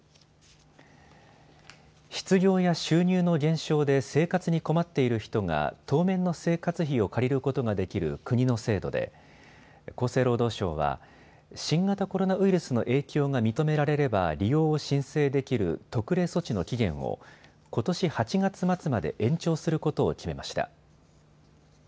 失業や収入の減少で生活に困っている人が当面の生活費を借りることができる国の制度で厚生労働省は新型コロナウイルスの影響が認められれば利用を申請できる特例措置の期限をことし８月末まで延長することを決めました。